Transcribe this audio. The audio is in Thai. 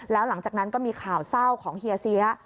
แล้วหลังจากนั้นก็มีข่าวเศร้าของเฮียเสีย